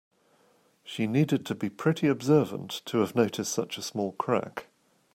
She needed to be pretty observant to have noticed such a small crack.